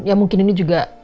ya mungkin ini juga